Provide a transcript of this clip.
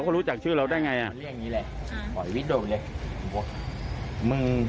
ก็รู้จักชื่อเราได้ไงอ่ะเรียกงี้เลยอ่าปล่อยวิทย์โดดเลยมึง